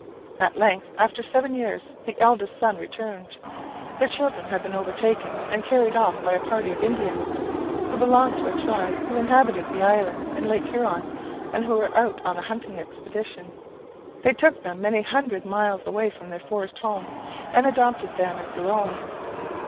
At length, after seven years, the eldest son returned. The children had been overtaken and carried off by a party of Indians, who belonged to a tribe who inhabited the islands in Lake Huron, and who were out on a hunting expedition. They took them many hundred miles away from their forest home, and adopted them as their own.